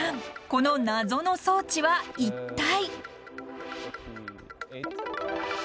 この謎の装置は一体？